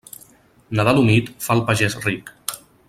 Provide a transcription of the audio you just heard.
Nadal humit fa el pagès ric.